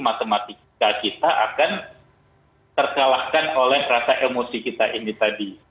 matematika kita akan terkalahkan oleh rasa emosi kita ini tadi